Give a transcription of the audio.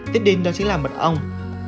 tiếp đến đó chính là mật ong